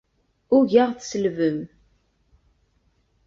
Ugaɣ tselbem.